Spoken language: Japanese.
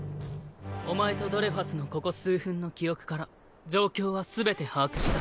お前とドレファスのここ数分の記憶から状況は全て把握した。